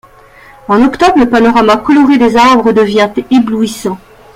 En octobre le panorama coloré des arbres devient éblouissant.